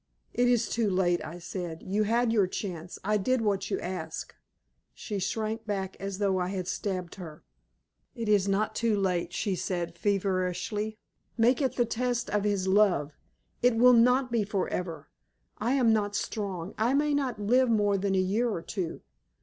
"It is too late," I said. "You had your chance. I did what you asked." She shrank back as though I had stabbed her. "It is not too late," she said, feverishly. "Make it the test of his love. It will not be forever. I am not strong. I may not live more than a year or two.